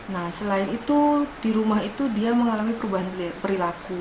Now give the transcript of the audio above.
nah selain itu di rumah itu dia mengalami perubahan perilaku